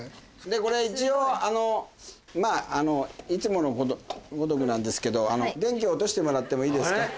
これ一応まぁいつものごとくなんですけど電気落としてもらってもいいですか。